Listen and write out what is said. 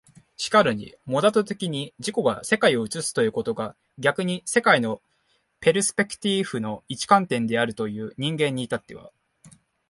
然るにモナド的に自己が世界を映すことが逆に世界のペルスペクティーフの一観点であるという人間に至っては、